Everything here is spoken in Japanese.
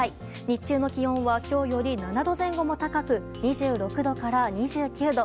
日中の気温は今日より７度前後も高く２６度から２９度。